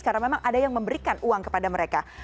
karena memang ada yang memberikan uang kepada mereka